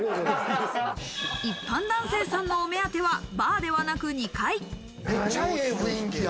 一般男性さんのお目当てはバーではなく２階。